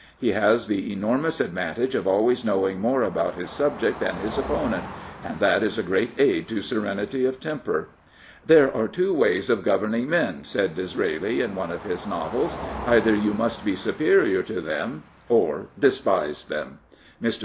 He has the enormous advantage of always knowing more about his subject than his opponent, and that is a great aid to serenity of temper. " There are two ways of governing men," said Disraeli in one of his novels. " Either you must be superior to them, or despise them." Mr.